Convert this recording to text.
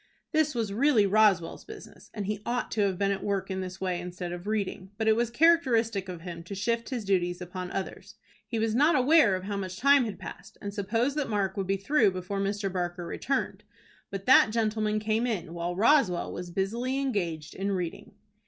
This was really Roswell's business, and he ought to have been at work in this way instead of reading; but it was characteristic of him to shift his duties upon others. He was not aware of how much time had passed, and supposed that Mark would be through before Mr. Barker returned. But that gentleman came in while Roswell was busily engaged in reading.